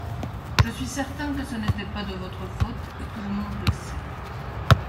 Je suis certain que ce n’était pas de votre faute et tout le monde le sait.